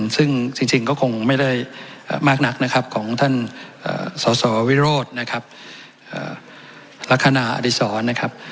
ซึ่งจริงก็คงไม่ได้มากหนักของท่านสวิโรธลักษณะอธิษฐรณ์